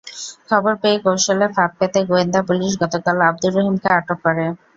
খবর পেয়ে কৌশলে ফাঁদ পেতে গোয়েন্দা পুলিশ গতকাল আবদুর রহিমকে আটক করে।